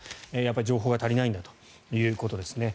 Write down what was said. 情報が足りないんだということですね。